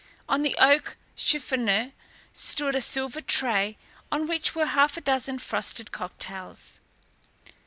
On the oak chiffonier stood a silver tray on which were half a dozen frosted cocktails.